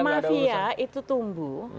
mafia itu tumbuh